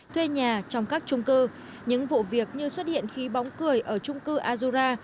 thuê nhà trong các trung cư những vụ việc như xuất hiện khí bóng cười ở trung cư azura